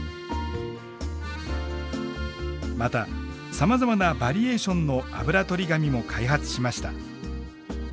またさまざまなバリエーションのあぶらとり紙も開発しました。